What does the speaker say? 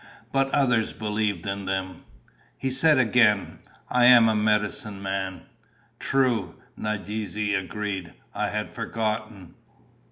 But others believed in them. He said again, "I am a medicine man." "True," Nadeze agreed. "I had forgotten."